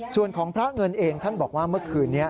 ส่วนของพระเงินเองท่านบอกว่าเมื่อคืนนี้